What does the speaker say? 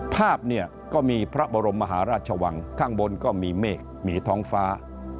ภาพเนี่ยก็มีพระบรมมหาราชวังข้างบนก็มีเมฆมีท้องฟ้า